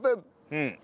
うん。